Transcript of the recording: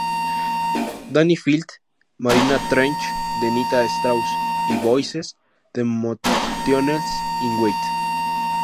Dani Filth, ""Mariana Trench"" de Nita Strauss y ""Voices"" de Motionless in White.